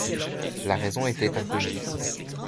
La raison était inconnue.